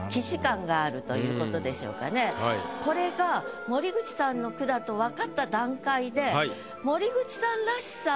これが森口さんの句だと分かった段階で。